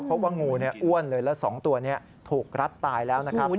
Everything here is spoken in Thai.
เพราะว่างูอ้วนเลยแล้ว๒ตัวนี้ถูกรัดตายแล้วนะครับ